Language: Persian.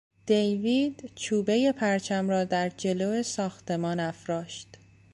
دیوید چوبهی پرچم را در جلو ساختمان افراشت.